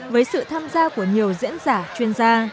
với sự tham gia của nhiều diễn giả chuyên gia